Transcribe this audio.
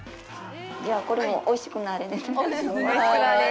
じゃあ、これも“おいしくなれ”ですね。